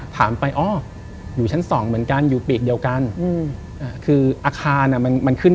ถามไปอยู่ชั้น๒เหมือนกันอยู่ปีกเดียวกัน